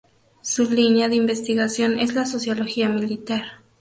Su línea de investigación es la Sociología Militar.